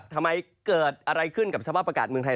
เกิดอะไรขึ้นกับสภาพอากาศเมืองไทย